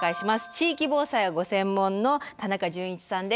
地域防災がご専門の田中純一さんです。